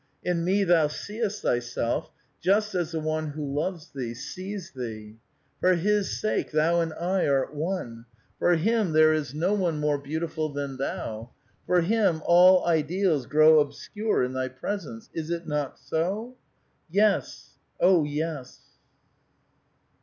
In me thou seest thyself just as the one who loves thee, sees thee. For his sake thou and I art one ; for him there is no one more beautiful than thou ; for him all ideals grow obscure in thv presence. Is it not so ?"" Yes ! ohi yes